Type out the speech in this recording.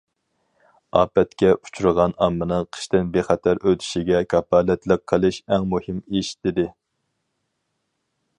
ئاپەتكە ئۇچرىغان ئاممىنىڭ قىشتىن بىخەتەر ئۆتۈشىگە كاپالەتلىك قىلىش ئەڭ مۇھىم ئىش، دېدى.